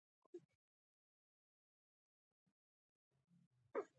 په همدې نیت رامنځته شوې دي